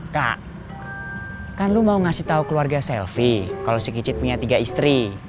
kak kan lo mau ngasih tahu keluarga selfie kalau si kicit punya tiga istri